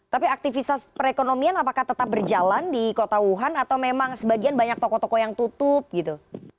tapi aktivitas perekonomian apakah tetap berjalan di kota wuhan atau memang sebagian banyak toko toko yang tutup gitu